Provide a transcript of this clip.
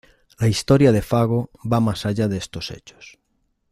La historia de Fago va más allá de estos hechos.